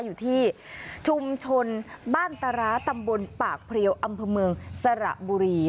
อยู่ที่ชุมชนบ้านตราร้าตำบลปากเพลียวอำเภอเมืองสระบุรี